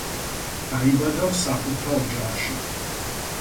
დაიბადა მსახურთა ოჯახში.